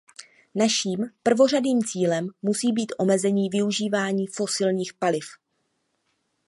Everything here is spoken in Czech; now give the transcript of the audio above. Naším prvořadým cílem musí být omezení využívání fosilních paliv.